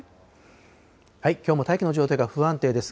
きょうも大気の状態が不安定です。